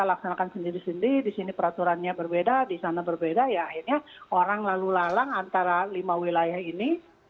kita laksanakan sendiri sendiri disini peraturannya berbeda disana berbeda ya akhirnya orang lalu lalang antara lima wilayah ini